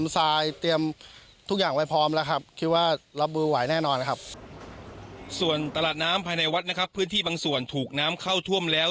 ส่วนตลาดน้ำภายในวัดนะครับพื้นที่บางส่วนถูกน้ำเข้าท่วมแล้ว